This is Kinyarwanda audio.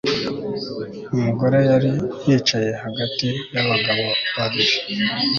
Umugore yari yicaye hagati yabagabo babiri